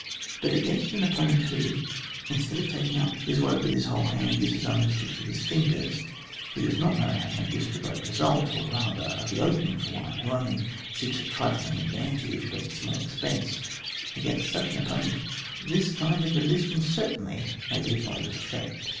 But against an opponent who, instead of taking up 200 ON WAR. his work with his whoFe hand, uses only the tips of his fingers, who does not know how to make use of a great result, or rather of the opening for one, who only seeks a trifling advantage but at small expense, against such an opponent this kind of resistance certainly may be ap plied with effect.